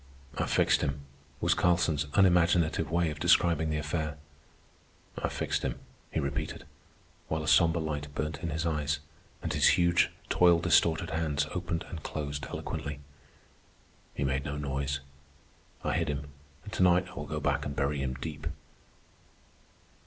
"I fixed him," was Carlson's unimaginative way of describing the affair. "I fixed him," he repeated, while a sombre light burnt in his eyes, and his huge, toil distorted hands opened and closed eloquently. "He made no noise. I hid him, and tonight I will go back and bury him deep."